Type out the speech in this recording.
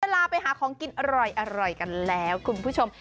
เวลาไปหาของกินอร่อยกันแล้วคุณผู้ชม